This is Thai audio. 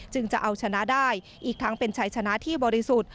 จะเอาชนะได้อีกทั้งเป็นชัยชนะที่บริสุทธิ์